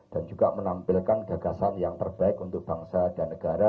dan juga menampilkan gagasan yang terbaik untuk bangsa dan negara